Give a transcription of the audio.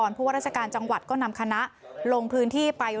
เพราะว่าราชการจังหวัดก็นำคณะลงพื้นที่ไป